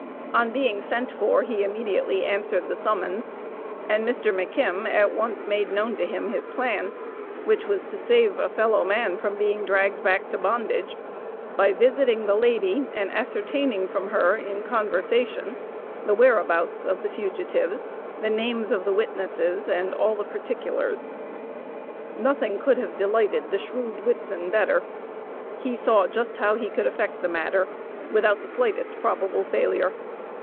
On being sent for, he immediately answered the summons, and Mr. McKim at once made known to him his plan, which was to save a fellow man from being dragged back to bondage, by visiting the lady, and ascertaining from her in conversation the whereabouts of the fugitives, the names of the witnesses, and all the particulars. Nothing could have delighted the shrewd Whitson better; he saw just how he could effect the matter, without the slightest probable failure.